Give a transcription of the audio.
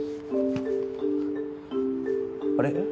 あれ？